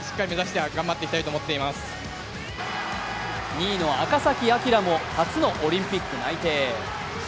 ２位の赤崎暁も初のオリンピック内定。